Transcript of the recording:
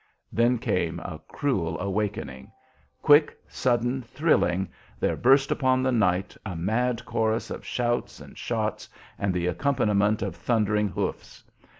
Then came a cruel awakening. Quick, sudden, thrilling, there burst upon the night a mad chorus of shouts and shots and the accompaniment of thundering hoofs.